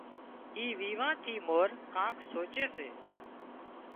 اِي ويوان ٿي مور ڪانڪ سوچي سي